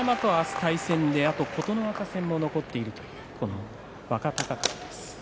対戦の琴ノ若戦も残っているという若隆景です。